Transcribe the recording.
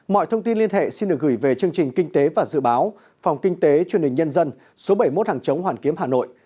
mọi thông tin liên hệ xin được gửi về chương trình kinh tế và dự báo phòng kinh tế truyền hình nhân dân số bảy mươi một hàng chống hoàn kiếm hà nội